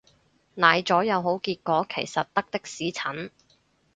奶咗有好結果其實得的士陳